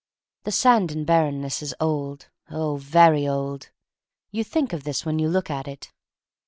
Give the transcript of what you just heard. The sand and barrenness is old — oh, very old. You think of this when you look at it.